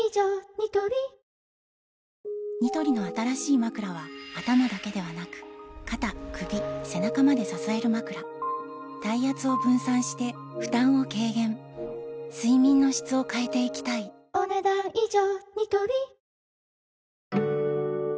ニトリニトリの新しいまくらは頭だけではなく肩・首・背中まで支えるまくら体圧を分散して負担を軽減睡眠の質を変えていきたいお、ねだん以上。